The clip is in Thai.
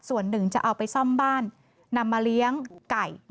ส่วนหนึ่งจะเอาไปซ่อมบ้านนำมาเลี้ยงไก่